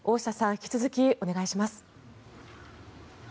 引き続きお願いします。